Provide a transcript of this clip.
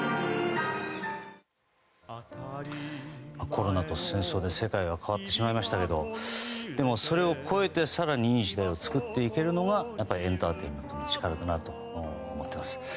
コロナと戦争で世界が変わってしまいましたけどでも、それを超えて更にいい時代を作っていけるのがやっぱりエンターテインメントの力だなと思っております。